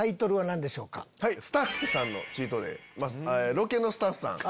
ロケのスタッフさん。